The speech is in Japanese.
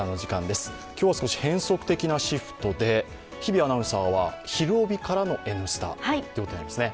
今日は少し変則的なシフトで日比アナウンサーは「ひるおび！」からの「Ｎスタ」ということになりますね。